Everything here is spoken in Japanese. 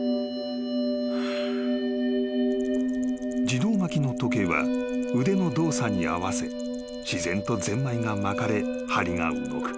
［自動巻きの時計は腕の動作に合わせ自然とぜんまいが巻かれ針が動く］